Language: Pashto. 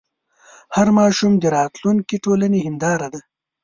هر ماشوم د راتلونکي د ټولنې هنداره ده.